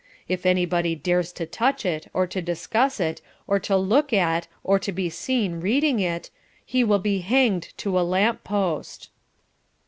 If anybody dares to touch it, or to discuss it, or to look at or to be seen reading it, he will be hanged to a lamp post."